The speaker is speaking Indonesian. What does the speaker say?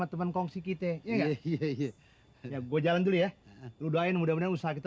teman kongsi kita iya iya iya ya gue jalan dulu ya lu doain mudah mudahan usaha kita